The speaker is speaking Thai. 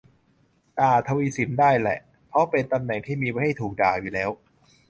ด่าทวีศิลป์ได้แหละ เพราะเป็นตำแหน่งที่มีไว้ให้ถูกด่าอยู่แล้ว